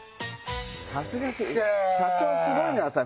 さすが社長すごいのはさ